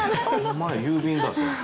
前郵便だそれは。